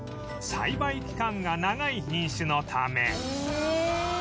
栽培期間が長い品種のため